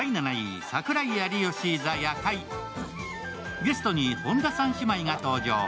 ゲストに本田三姉妹が登場。